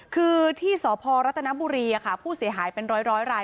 คือที่สพรัฐนบุรีผู้เสียหายเป็นร้อยราย